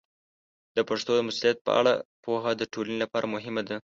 د پښتو د مسوولیت په اړه پوهه د ټولنې لپاره مهمه ده.